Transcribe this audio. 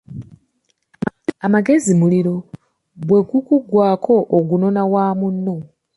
Amagezi muliro, bwe gukuggwako ogunona wa munno.